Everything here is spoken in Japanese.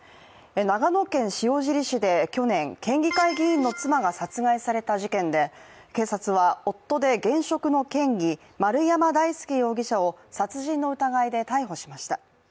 長野県塩尻市で去年、県議会議員の妻が殺害された事件で警察は夫で現職の県議、丸山大輔容疑者を殺人の疑いで逮捕しました。